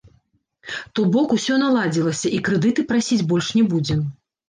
То бок усё наладзілася, і крэдыты прасіць больш не будзем.